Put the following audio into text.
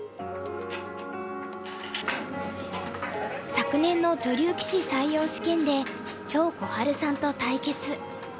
昨年の女流棋士採用試験で張心治さんと対決。